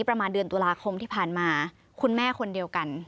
ประมาณเดือนตุลาคมที่ผ่านมาคุณแม่คนเดียวกัน